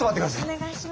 お願いします。